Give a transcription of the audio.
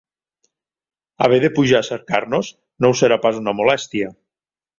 Haver de pujar a cercar-nos, no us serà pas una molèstia?